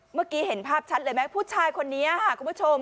เมื่อกี้เห็นภาพชัดเลยไหมผู้ชายคนนี้ค่ะคุณผู้ชม